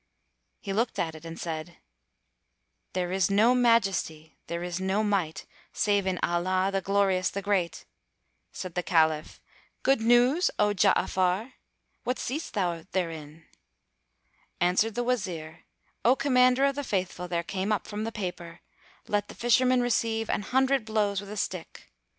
He looked at it and said, "There is no Majesty there is no Might save in Allah, the Glorious, the Great!" Said the Caliph, "Good news, [FN#243] O Ja'afar? What seest thou therein?" Answered the Wazir, "O Commander of the Faithful, there came up from the paper, 'Let the Fisherman receive an hundred blows with a stick.'"